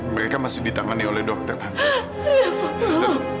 mereka masih ditangani oleh dokter tangga